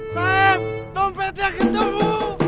saif dompetnya ketemu